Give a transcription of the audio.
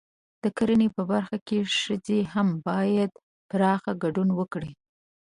د کرنې په برخه کې ښځې هم باید پراخ ګډون وکړي.